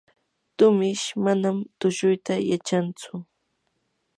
tumish manam tushuyta yachantsu.